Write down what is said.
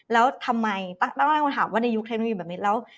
แล้วทำไมตั้งแต่คำถามว่าในยุคแทนมันอยู่แบบนี้แล้ว